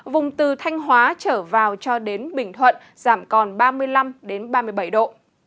vùng từ thanh hóa trở vào cho đến bình thuận giảm còn ba mươi năm ba mươi bảy độ